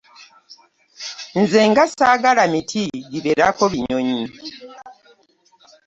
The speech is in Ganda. Nze nga ssaagala miti gibeerako binyonyi.